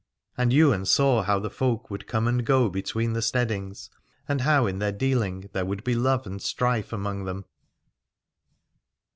And Ywain saw how the folk would come and go between the steadings, and how in their dealing there would be love and strife among them.